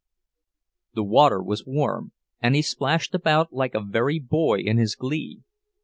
The water was warm, and he splashed about like a very boy in his glee.